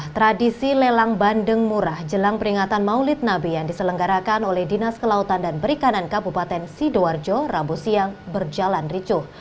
tradisi lelang bandeng murah jelang peringatan maulid nabi yang diselenggarakan oleh dinas kelautan dan perikanan kabupaten sidoarjo rabu siang berjalan ricuh